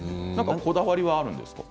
こだわりはあるんですか？